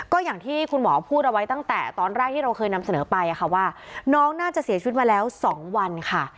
ก็อย่างที่คุณหมอพูดเอาไว้ตั้งแต่ตอนแรกที่เราเคยนำเสนอไปว่าน้องน่าจะเสียชีวิตมาแล้ว๒วันค่ะ